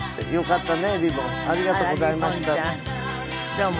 どうも。